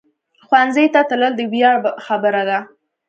ښوونځی ته تلل د ویاړ خبره ده